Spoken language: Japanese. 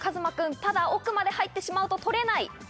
ただ奥まで入ってしまうと取れない。